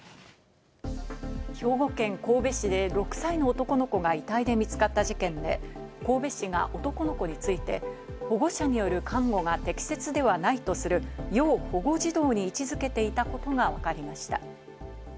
兵庫県神戸市で６歳の男の子が遺体で見つかった事件で、神戸市が男の子について保護者による監護が適切ではないとする要保護児童に位置付けていたことがわかりました。